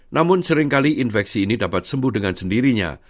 namun seringkali infeksi ini dapat sembuh dengan sendirinya